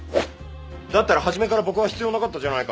だったらはじめから僕は必要なかったじゃないか。